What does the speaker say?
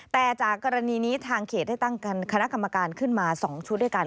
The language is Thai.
แต่จากกรณีนี้ทางเขตได้ตั้งคณะกรรมการขึ้นมา๒ชุดด้วยกัน